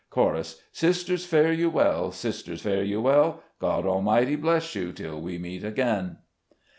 Chorus — Sisters, fare you well; sisters, fare you well; God Almighty bless you, until we meet again."